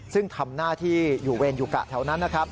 ซึ่งทำหน้าที่อยู่เวรอยู่กะแถวนั้นนะครับ